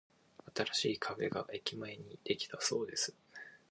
新しいカフェが駅前にできたそうです。